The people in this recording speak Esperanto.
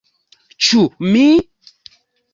Ĉu mi?!